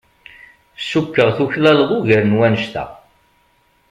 Cukkeɣ tuklaleḍ ugar n wannect-a.